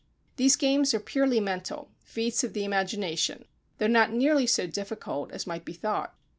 These games are purely mental, feats of the imagination, though not nearly so difficult as might be thought.